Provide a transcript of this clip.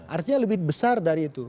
artinya lebih besar dari itu